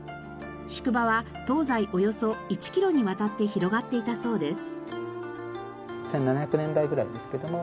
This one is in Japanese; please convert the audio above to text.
宿場は東西およそ１キロにわたって広がっていたそうです。